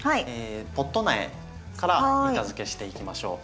ポット苗から板づけしていきましょう。